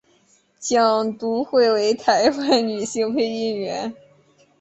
蒋笃慧为台湾女性配音员。